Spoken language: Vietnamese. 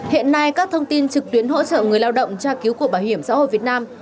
hiện nay các thông tin trực tuyến hỗ trợ người lao động tra cứu của bảo hiểm xã hội việt nam